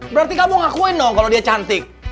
berarti kamu ngakuin dong kalau dia cantik